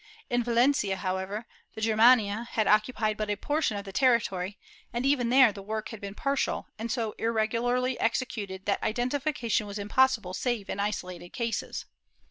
In Valencia, however, the Germania had occupied but a portion of the territory, and even there the work had been partial, and so irregularly executed that identification was impos sible save in isolated cases.